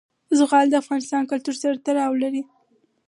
زغال د افغان کلتور سره تړاو لري.